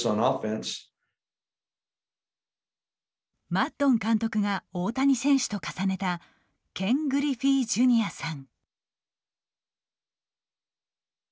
マッドン監督が大谷選手と重ねたケン・グリフィーＪｒ．さん。